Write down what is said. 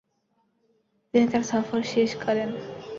তিনি তার সফর শেষ করেন।